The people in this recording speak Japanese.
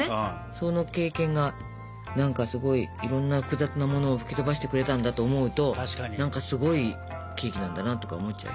その経験が何かすごいいろんな複雑なものを吹き飛ばしてくれたんだと思うと何かすごいケーキなんだなとか思っちゃう。